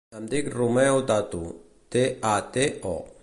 Em dic Romeo Tato: te, a, te, o.